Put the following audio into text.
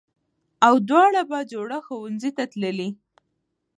او دواړه بهجوړه ښوونځي ته تللې